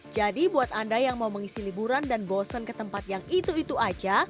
jadi buat anda yang mau mengisi liburan dan bosen ke tempat yang itu itu aja